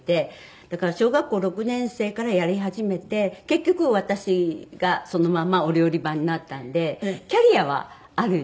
だから小学校６年生からやり始めて結局私がそのままお料理番になったんでキャリアはあるんですね。